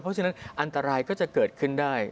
เพราะฉะนั้นอันตรายก็จะเกิดขึ้นได้